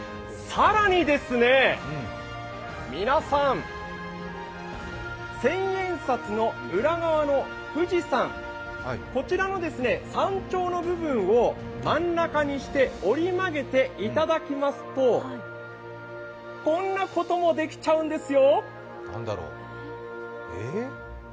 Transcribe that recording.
更にですね、皆さん、千円札の裏側の富士山、こちらの山頂の部分を真ん中にして折り曲げていただきますと、こんなこともできちゃうんですよ。